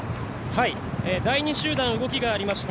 第２集団動きがありました。